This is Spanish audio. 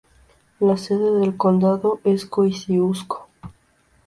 La sede del condado es Kosciusko.